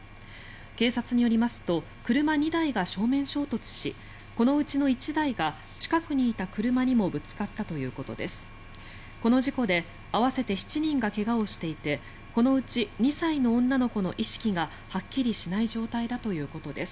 警察によりますと車２台が正面衝突しこのうちの１台が近くにいた車にもぶつかったということです。